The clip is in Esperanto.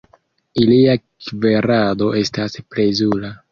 Ilia kverado estas plezura.